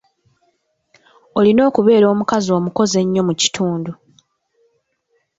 Olina okubeera omukazi omukozi ennyo mu kitundu.